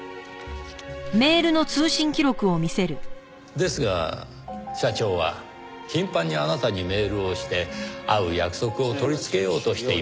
ですが社長は頻繁にあなたにメールをして会う約束を取り付けようとしていました。